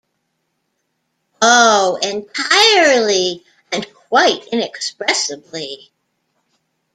Oh, entirely — and quite inexpressibly.